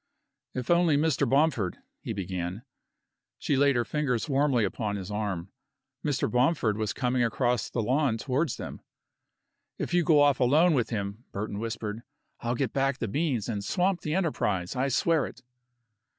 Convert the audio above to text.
"If only Mr. Bomford " he began She laid her fingers warningly upon his arm. Mr. Bomford was coming across the lawn towards them. "If you go off alone with him," Burton whispered, "I'll get back the beans and swamp the enterprise. I swear it."